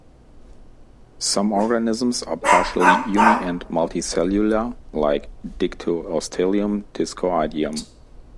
Some organisms are partially uni- and multicellular, like "Dictyostelium discoideum".